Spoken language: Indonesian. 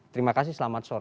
terima kasih selamat sore